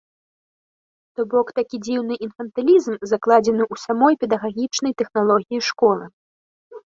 То бок такі дзіўны інфантылізм закладзены ў самой педагагічнай тэхналогіі школы.